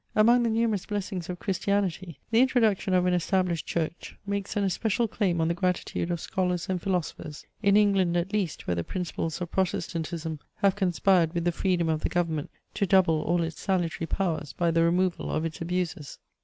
Among the numerous blessings of Christianity, the introduction of an established Church makes an especial claim on the gratitude of scholars and philosophers; in England, at least, where the principles of Protestantism have conspired with the freedom of the government to double all its salutary powers by the removal of its abuses.